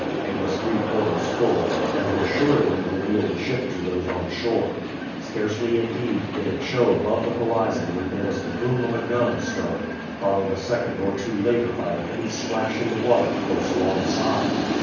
It was three quarters full, and would assuredly reveal the ship to those on shore. Scarcely indeed did it show above the horizon when there was the boom of a gun astern, followed a second or two later by a heavy splash in the water close alongside.